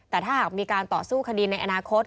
แต่ถ้าหากมีการต่อสู้คดีในอนาคต